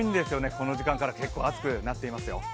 この時間から結構暑くなっていますよ。